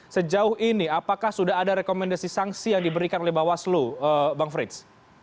sejauh ini apakah sudah ada rekomendasi sanksi yang diberikan oleh bawaslu bang frits